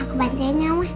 aku bantainya oma